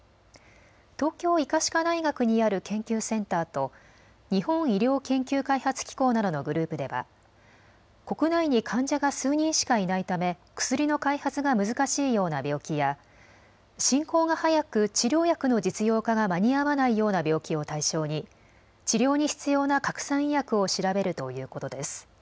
東京医科歯科大学にある研究センターと日本医療研究開発機構などのグループでは国内に患者が数人しかいないため薬の開発が難しいような病気や進行が早く治療薬の実用化が間に合わないような病気を対象に治療に必要な核酸医薬を調べるということです。